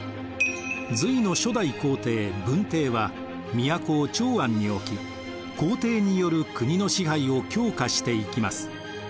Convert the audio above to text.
隋の初代皇帝文帝は都を長安に置き皇帝による国の支配を強化していきます。